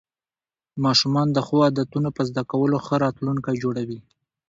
ماشومان د ښو عادتونو په زده کولو ښه راتلونکی جوړوي